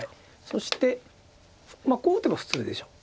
そしてこう打てば普通でしょう。